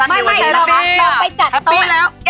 แฮปปี้แล้ว